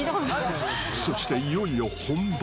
［そしていよいよ本番］